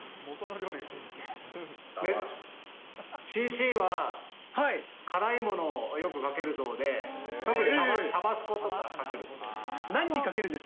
ＣＣは、辛いものをよくかけるそうで、特にタバスコとかかけるそうです。